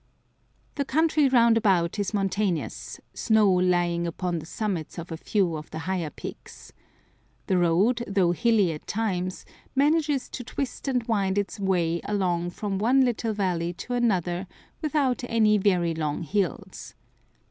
The country round about is mountainous, snow lying upon the summits of a few of the higher peaks. The road, though hilly at times, manages to twist and wind its way along from one little valley to another without any very long hills.